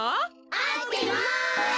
あってます。